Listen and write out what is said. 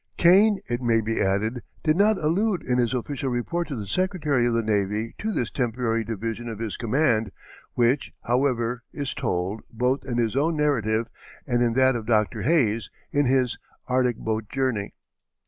Kane, it may be added, did not allude in his official report to the Secretary of the Navy to this temporary division of his command, which, however, is told, both in his own narrative and in that of Dr. Hayes, in his "Arctic Boat Journey."